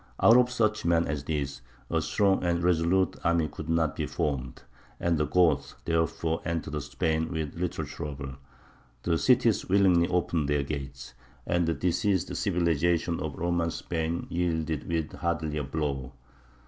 Out of such men as these a strong and resolute army could not be formed; and the Goths therefore entered Spain with little trouble; the cities willingly opened their gates, and the diseased civilization of Roman Spain yielded with hardly a blow.